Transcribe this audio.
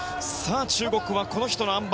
中国はこの人のあん馬。